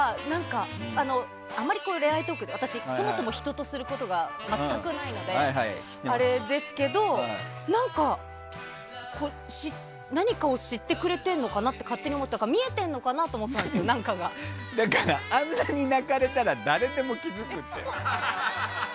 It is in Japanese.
私、そもそも人と恋愛トークをすることが全くないのであれですけど何かを知ってくれてるのかなって勝手に思ってたから何かが見えてるのかなとだから、あんなに泣かれたら誰でも気づくって。